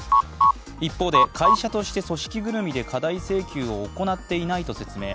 一方で、会社として組織ぐるみで過大請求を行っていないと説明。